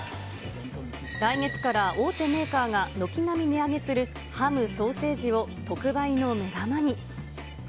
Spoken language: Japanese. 来月から大手メーカーが軒並み値上げするハム、ソーセージを特売の目玉に。